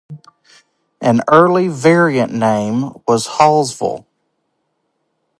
An early variant name was Hallsville.